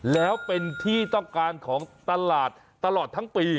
แล้วเป็นที่ต้องการของตลาดตลอดทั้งปี